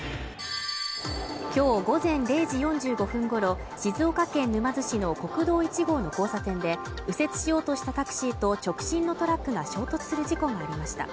今日午前０時４５分ごろ、静岡県沼津市の国道１号の交差点で右折しようとしたタクシーと直進のトラックが衝突する事故がありました。